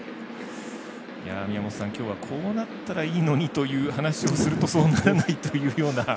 宮本さん、今日はこうなったらいいのにという話をするとそうならないというような。